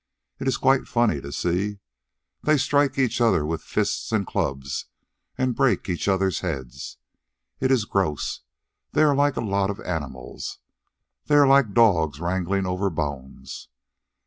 It is quite funny to see. They strike each other with fists and clubs, and break each other's heads. It is gross. They are like a lot of animals. They are like dogs wrangling over bones.